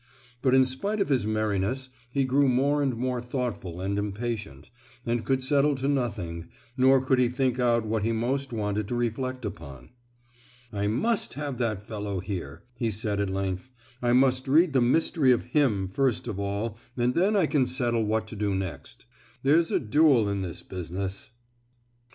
But in spite of his merriness he grew more and more thoughtful and impatient, and could settle to nothing, nor could he think out what he most wanted to reflect upon. "I must have that fellow here!" he said at length; "I must read the mystery of him first of all, and then I can settle what to do next. There's a duel in this business!"